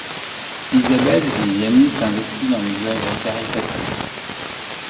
Isabelle Viviani s’investit dans les œuvres caritatives.